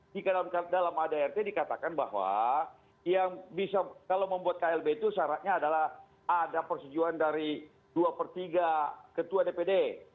jika dalam adrt dikatakan bahwa yang bisa kalau membuat klb itu syaratnya adalah ada persetujuan dari dua per tiga ketua dpd